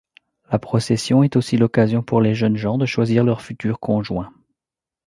La procession est aussi l'occasion pour les jeunes gens de choisir leur futur conjoint.